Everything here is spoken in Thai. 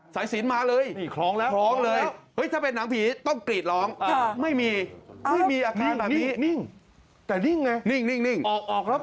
กินขาวกินข้าวไปก่อนก็ไปบอกกันซุป